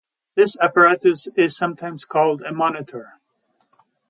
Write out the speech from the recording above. This apparatus is sometimes called a monitor.